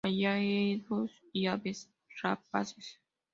Hayedos y aves rapaces.